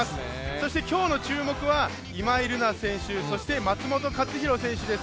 そして今日の注目は今井月選手、そして松元克央選手です。